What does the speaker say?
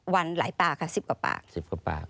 ๖วันไหลตรากะสิบกว่าปาก